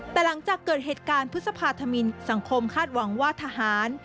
แต่หลังจากเกิดเหตุการณ์พฤษภาธมินสังคมคาดหวังว่าทหาร